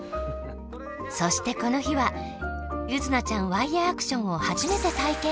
そしてこの日は柚凪ちゃんワイヤーアクションをはじめて体験。